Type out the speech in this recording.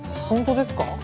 本当ですか？